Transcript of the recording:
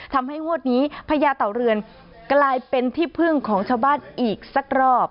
ทำให้งวดนี้พญาเต่าเรือนกลายเป็นที่พึ่งของชาวบ้านอีกสักรอบ